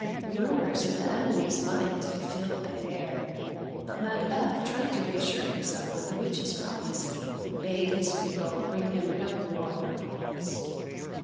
Rumours of the enemy's might filled the air, but Macbeth, trying to reassure himself with the witches' prophecy, bade his people bring him no more reports.